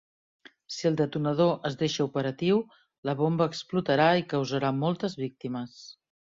Si el detonador es deixa operatiu, la bomba explotarà i causarà moltes víctimes.